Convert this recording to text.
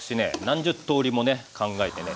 何十通りもね考えてね